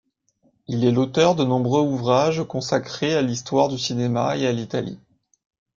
Il est l'auteur de nombreux ouvrages consacrés à l’histoire du cinéma et à l'Italie.